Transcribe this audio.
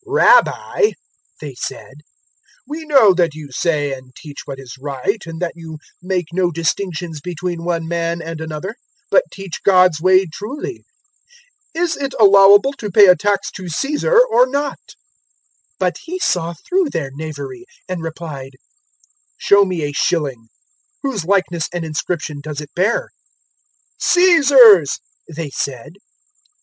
"Rabbi," they said, "we know that you say and teach what is right and that you make no distinctions between one man and another, but teach God's way truly. 020:022 Is it allowable to pay a tax to Caesar, or not?" 020:023 But He saw through their knavery and replied, 020:024 "Show me a shilling; whose likeness and inscription does it bear?" "Caesar's," they said.